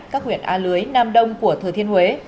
các huyện a lưới nam đông của thừa thiên huế